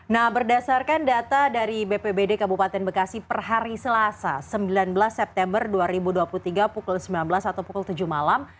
nah berdasarkan data dari bpbd kabupaten bekasi per hari selasa sembilan belas september dua ribu dua puluh tiga pukul sembilan belas atau pukul tujuh malam